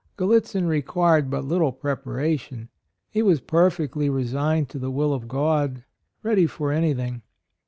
Gallitzin required but little preparation. He was perfectly resigned to the will of God, — 120 A ROYAL SON ready for anything.